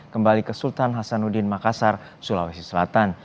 kembali ke sultan hasanuddin makassar sulawesi selatan